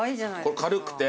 軽くて。